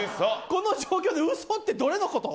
この状況で嘘ってどれのこと？